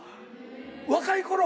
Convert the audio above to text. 若いころ。